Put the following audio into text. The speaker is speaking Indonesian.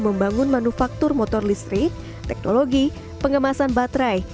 membangun manufaktur motor listrik teknologi pengemasan baterai